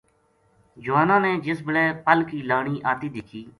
جواناں نے جس بیلے پل کی لانی آتی دیکھی